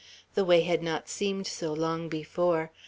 The way had not seemed so long before.